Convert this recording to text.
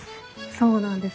そうなんです。